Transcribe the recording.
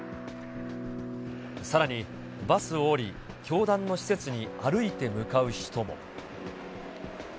さらにバスを降り、教団の施設に歩いて向かう人も。